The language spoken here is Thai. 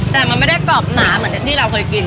แต่มันไม่ได้กรอบหนาเหมือนที่เราเคยกิน